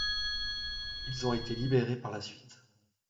Ils ont été libérés par la suite.